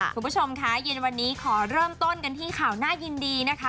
คุณผู้ชมค่ะเย็นวันนี้ขอเริ่มต้นกันที่ข่าวน่ายินดีนะคะ